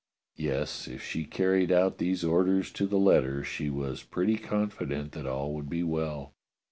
Yes, if she carried out these orders to the letter she was pretty confident that all would be well.